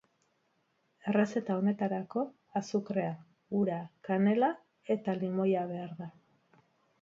Errezeta honetarako azukrea, ura, kanela eta limoia behar da.